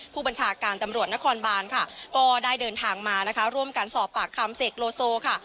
ผู้บัญชาการตำรวจนครบานค่ะก็ได้เดินทางมานะคะร่วมกันสอบปากคำเสกโลโซค่ะ